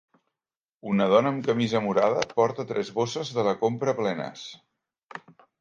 Una dona amb camisa morada porta tres bosses de la compra plenes.